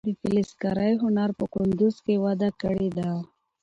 د فلزکارۍ هنر په کندز کې وده کړې ده.